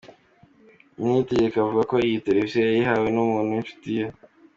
Niyitegeka avuga ko iyo televiziyo yayihawe n’umuntu w’inshuti ye.